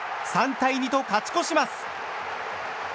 ３対２と勝ち越します。